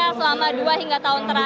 ya ini adalah acara yang sangat penting